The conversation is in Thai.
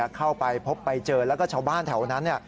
เข้าไปพบไปเจอแล้วก็ชาวบ้านแถวนั้น